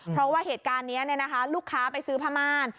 เพราะว่าเหตุการณ์นี้ลูกค้าไปซื้อผ้าม่าน